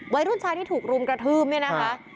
วัยรุ่นชายที่ถูกรุมกระทืบเนี่ยนะคะ